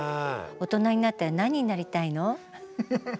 大人になったら何になりたいの？